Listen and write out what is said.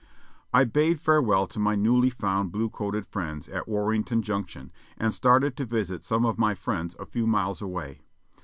I bade farewell to my newly found blue coated friends at War renton Junction and started to visit some of my friends a few miles away.